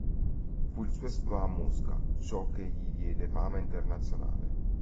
Fu il suo exploit a Mosca, ciò che gli diede fama internazionale.